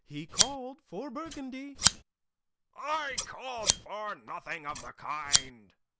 He called for Burgundy." "I called for nothing of the kind."